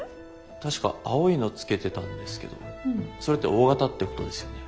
確か青いの着けてたんですけどそれってＯ型ってことですよね？